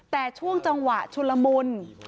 แต่ช่วงจังหวะชุลมุน